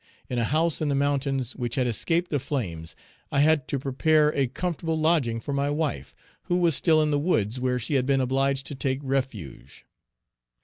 In a house in the mountains, which had escaped the flames, I had to prepare a comfortable lodging for my wife, who was still in the woods where she had been obliged to take refuge.